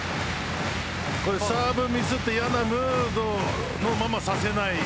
サーブをミスって嫌なムードのままさせない。